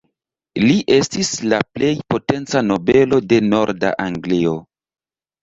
Li estis la plej potenca nobelo de norda Anglio.